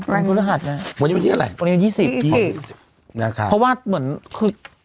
วันพฤหัสไงวันนี้วันที่เท่าไหร่วันนี้ยี่สิบยี่สิบนะครับเพราะว่าเหมือนคือ